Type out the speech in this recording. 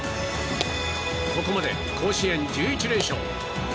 ここまで甲子園１１連勝。